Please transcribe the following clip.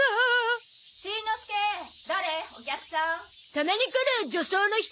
たまに来る女装の人。